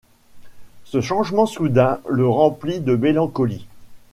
Ce changement soudain le remplit de mélancolie.